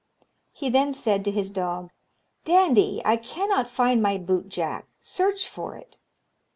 He then said to his dog, 'Dandie, I cannot find my bootjack; search for it.'